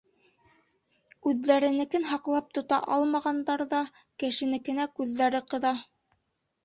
Үҙҙәренекен һаҡлап тота алмағандар ҙа кешенекенә күҙҙәре ҡыҙа.